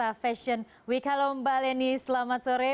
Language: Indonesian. pemirsa fashion week halo mbak leni selamat sore